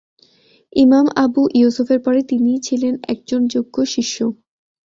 ইমাম আবু ইউসুফের পরে তিনিই ছিলেন একজন যোগ্য শিষ্য।